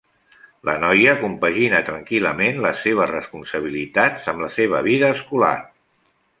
La noia compagina tranquil·lament les seves responsabilitats amb la seva vida escolar.